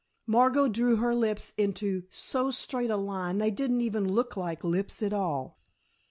Margot drew her lips into so straight a line they didn't look like lips at all.